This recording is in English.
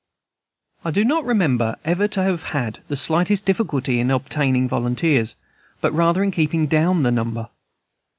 I do not remember ever to have had the slightest difficulty in obtaining volunteers, but rather in keeping down the number.